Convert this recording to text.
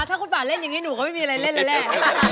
ถ้าคุณป๋าอย่างงี้หนูก็ไม่มีอะไรเล่นแหละ